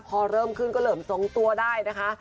พอเริ่มขึ้นก็เริ่มทรงตัวได้นะคะ